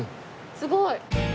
すごい！